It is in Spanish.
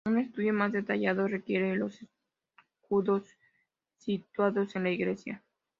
Un estudio más detallado requieren los escudos situados en la iglesia.